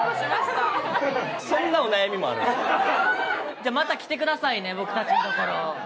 じゃあまた来てくださいね僕たちのところ。